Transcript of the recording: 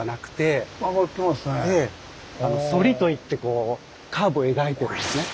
「そり」といってこうカーブを描いてるんですね。